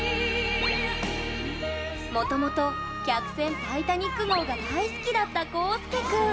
もともと客船「タイタニック号」が大好きだったコウスケ君。